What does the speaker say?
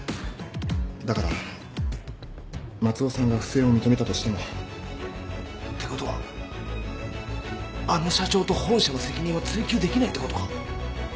だから松尾さんが不正を認めたとしても。ってことはあの社長と本社の責任は追及できないってことか？